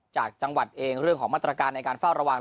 จากจังหวัดเองเรื่องของมาตรการในการเฝ้าระวัง